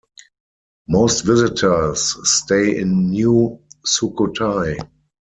Most visitors stay in New Sukhothai.